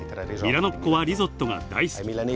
ミラノっ子はリゾットが大好き。